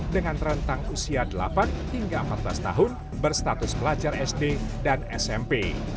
dengan rentang usia delapan hingga empat belas tahun berstatus pelajar sd dan smp